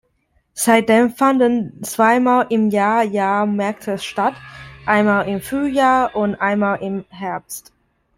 Seitdem fanden zweimal im Jahr Jahrmärkte statt, einmal im Frühjahr und einmal im Herbst.